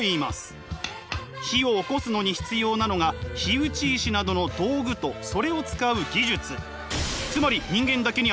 火をおこすのに必要なのが火打ち石などの道具とそれを使う技術。